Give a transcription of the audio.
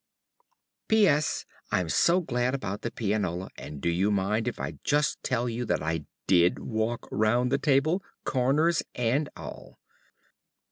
D. P. S. I'm so glad about the pianola and do you mind if I just tell you that I did walk round the table, corners and all?